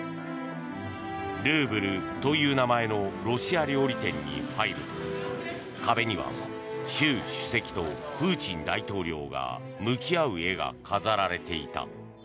ルーブルという名前のロシア料理店に入ると壁には習主席とプーチン大統領が向き合う絵が飾られていた。